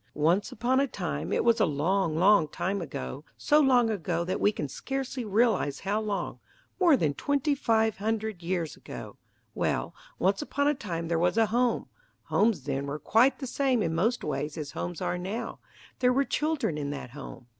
Once upon a time, it was a long, long time ago, so long ago that we can scarcely realize how long, more than twenty five hundred years ago. Well, once upon a time there was a home homes then were quite the same in most ways as homes are now there were children in that home.